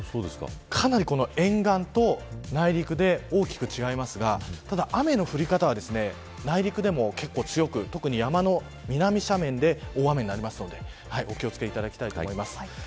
かなり、沿岸と内陸で大きく違いますがただ、雨の降り方は内陸でも結構強く特に山の斜面で大雨になりますのでお気を付けいただきたいと思います。